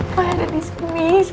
roy ada di sini